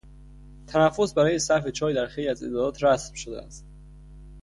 تنفس برای صرف چای در خیلی از ادارات رسم شده است.